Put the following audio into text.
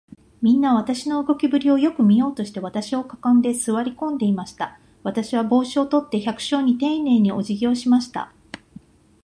みんなは、私の動きぶりをよく見ようとして、私を囲んで、坐り込んでしまいました。私は帽子を取って、百姓にていねいに、おじぎをしました。